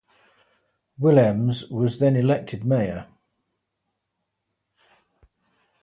Willemse was then elected mayor.